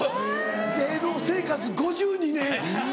芸能生活５２年。